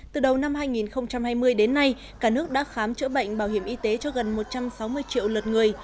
từ đầu năm hai nghìn hai mươi đến nay cả nước đã khám chữa bệnh bảo hiểm y tế cho gần một trăm sáu mươi triệu lượt người